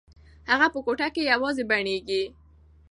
هغه په کوټه کې یوازې بڼیږي.